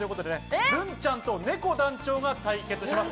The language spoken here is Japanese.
ズンちゃんと、ねこ団長が対決します。